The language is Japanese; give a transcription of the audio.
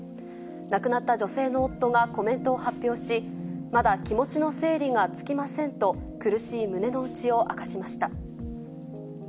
亡くなった女性の夫がコメントを発表し、まだ気持ちの整理がつきませんと、苦しい胸の内を明かしました。